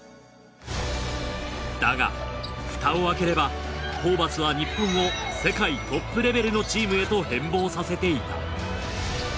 だが蓋を開ければホーバスは日本を世界トップレベルのチームへと変貌させていた。